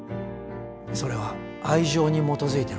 それは愛情に基づいての結婚ですか？